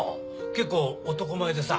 結構男前でさ。